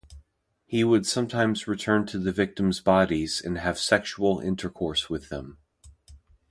He would sometimes return to the victims' bodies and have sexual intercourse with them.